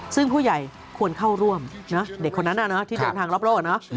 ซึ่งผู้ใหญ่ควรเข้าร่วมนะเด็กคนนั้นที่เดินทางรอบโลก